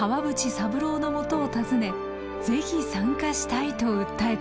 三郎のもとを訪ねぜひ参加したいと訴えた。